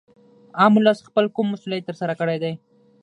عام ولس خپل کوم مسولیت تر سره کړی دی